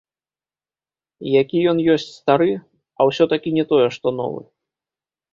Які ён ёсць стары, а ўсё-такі не тое, што новы.